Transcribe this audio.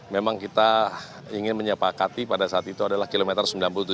memang kita ingin menyepakati pada saat itu adalah kilometer sembilan puluh tujuh